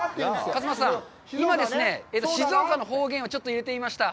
勝俣さん、今、静岡の方言をちょっと入れてみました。